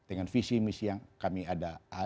dengan visi misi yang kami ada